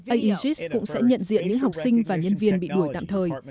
aegis cũng sẽ nhận diện những học sinh và nhân viên bị đuổi tạm thời